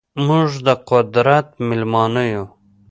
موږ ده قدرت میلمانه یو